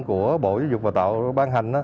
của bộ giáo dục và đào tạo ban hành